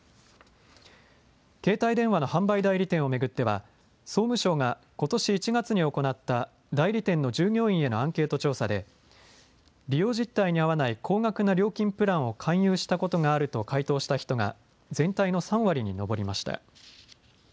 携帯電話の販売代理店を巡っては総務省がことし１月に行った代理店の従業員へのアンケート調査で利用実態に合わない高額な料金プランを勧誘したことがあると回答した人が全体の３割に上りました。